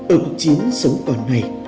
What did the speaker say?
ở chiến sống còn này